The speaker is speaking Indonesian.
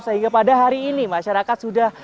sehingga pada hari ini masyarakat sudah